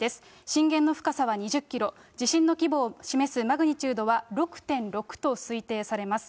震源の深さは２０キロ、地震の規模を示すマグニチュードは６．６と推定されます。